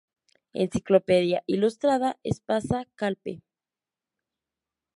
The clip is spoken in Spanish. Enciclopedia Ilustrada Espasa-Calpe.